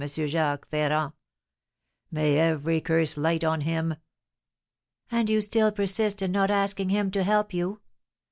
Jacques Ferrand. May every curse light on him!" "And you still persist in not asking him to help you?